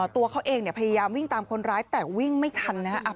ตัวเขาเองพยายามวิ่งตามคนร้ายแต่วิ่งไม่ทันนะครับ